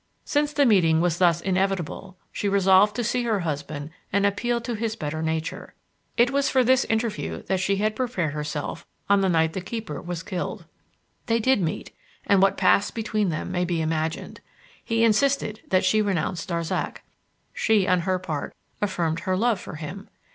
Since the meeting was thus inevitable, she resolved to see her husband and appeal to his better nature. It was for this interview that she had prepared herself on the night the keeper was killed. They did meet, and what passed between them may be imagined. He insisted that she renounce Darzac. She, on her part, affirmed her love for him.